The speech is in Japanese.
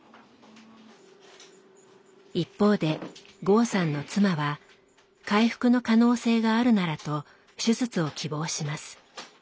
一方で剛さんの妻は回復の可能性があるならと手術を希望します。